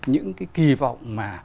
những cái kì vọng mà